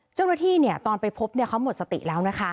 เจ้าหน้าที่ตอนไปพบเขาหมดสติแล้วนะคะ